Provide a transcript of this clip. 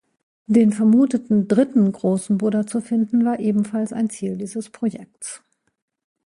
Den vermuteten dritten großen Buddha zu finden, war ebenfalls ein Ziel dieses Projekts.